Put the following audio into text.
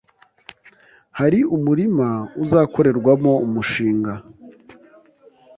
hari umurima uzakorerwamo umushinga